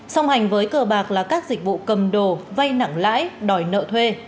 song hành với cờ bạc là các dịch vụ cầm đồ vay nặng lãi đòi nợ thuê